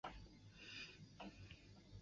曾加盟香港亚洲电视及无线电视。